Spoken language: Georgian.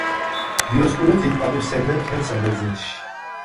დიოსკურებს დიდ პატივს სცემდნენ მთელ საბერძნეთში.